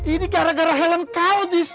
ini gara gara helm kau dis